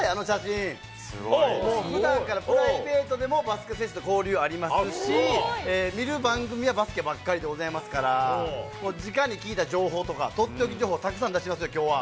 すごい。ふだんからプライベートでもバスケ選手と交流ありますし、見る番組はバスケばっかりでございますから、もうじかに聞いた情報とか、とっておき情報たくさん出します、きょうは。